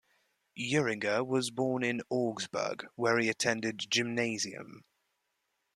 Euringer was born in Augsburg, where he attended Gymnasium.